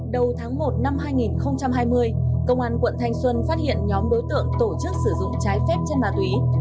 đầu tháng một năm hai nghìn hai mươi công an quận thanh xuân phát hiện nhóm đối tượng tổ chức sử dụng trái phép chất ma túy